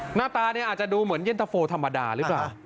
หน้าตาเนี่ยอาจจะดูเหมือนเย็นตะโฟธรรมดาหรือเปล่า